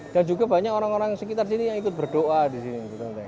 dan juga banyak orang orang sekitar sini yang ikut berdoa di sini